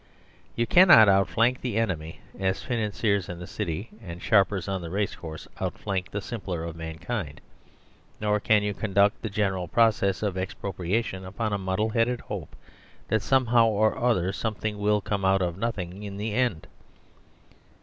You cannot outflank the enemy, as Financiers in the city and sharpers on the race course outflank the simpler of mankind, nor can you conduct the general process of expro priation upon a muddle headed hope that somehow or other something will come out of nothing in the end.